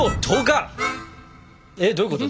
えっどういうこと？